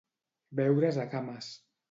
Veure's a cames.